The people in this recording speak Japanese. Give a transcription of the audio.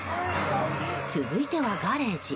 続いてはガレージ。